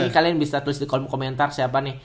kalian bisa tulis di kolom komentar siapa nih